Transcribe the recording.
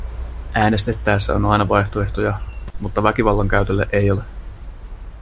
Äänestettäessä on aina vaihtoehtoja, mutta väkivallan käytölle ei ole.